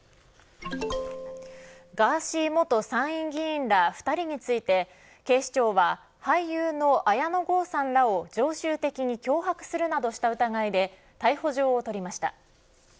ガーシー元参院議員ら２人について警視庁は俳優の綾野剛さんらを常習的に脅迫するなどした疑いで逮捕状を取りました。